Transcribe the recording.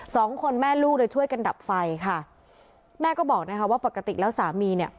สองคนแม่ลูกเลยช่วยกันดับไฟค่ะแม่ก็บอกนะคะว่าปกติแล้วสามีเนี่ย